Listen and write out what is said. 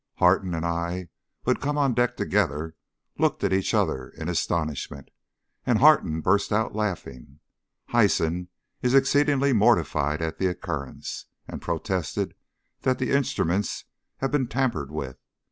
Harton and I, who had come on deck together, looked at each other in astonishment, and Harton burst out laughing. Hyson is exceedingly mortified at the occurrence, and protests that the instruments have been tampered with.